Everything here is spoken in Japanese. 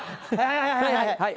はいはいはい！